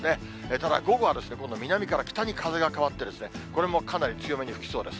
ただ、午後は南から北に風が変わって、これもかなり強めに吹きそうです。